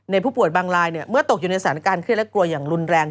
ผู้ป่วยบางรายเมื่อตกอยู่ในสถานการณ์เครียดและกลัวอย่างรุนแรง